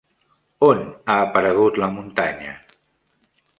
On ha aparegut la muntanya?